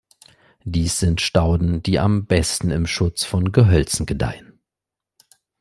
Dies sind Stauden, die am besten im Schutz von Gehölzen gedeihen.